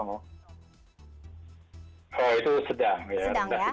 oh itu sedang ya